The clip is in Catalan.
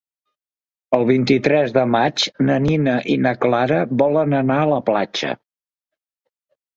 El vint-i-tres de maig na Nina i na Clara volen anar a la platja.